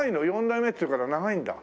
４代目っていうから長いんだ？